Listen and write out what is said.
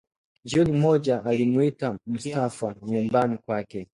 Jioni moja, alimwita Mustafa nyumbani kwake